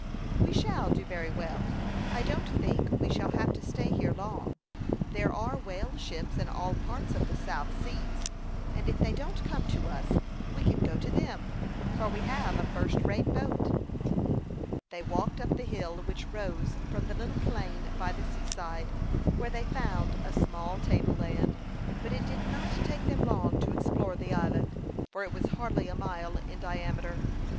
"We shall do very well. I don't think we shall have to stay here long. There are whale ships in all parts of the South Seas, and if they don't come to us, we can go to them, for we have a first rate boat." They walked up the hill which rose from the little plain by the sea side, where they found a small table land. But it did not take them long to explore the island, for it was hardly a mile in diameter.